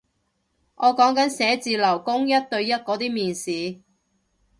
我講緊寫字樓工一對一嗰啲面試